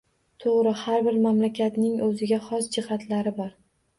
To‘g‘ri, har bir mamlakatning o‘ziga xos jihatlari bor